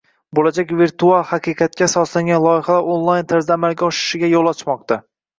Bo'lajak virtual haqiqatga asoslangan loyihalar onlayn tarzda amalga oshishiga yo'l ochmoqda